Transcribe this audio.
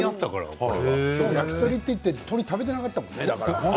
昔は焼き鳥といって鶏を食べていなかったもんね。